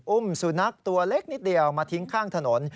อุ้มสุนัขตัวเล็กนิดเดียวมาทิ้งข้างถนน